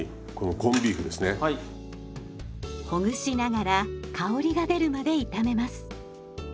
ほぐしながら香りが出るまで炒めます。